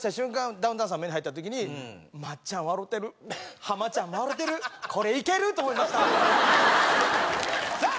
ダウンタウンさん目に入った時に松っちゃん笑てる浜ちゃん笑てると思いましたさあ